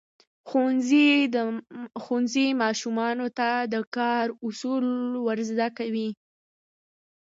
ښوونځی ماشومانو ته د کار اصول ورزده کوي.